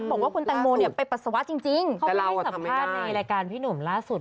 บอกว่าคุณแตงโมเนี่ยไปปัสสาวะจริงเขาก็ให้สัมภาษณ์ในรายการพี่หนุ่มล่าสุด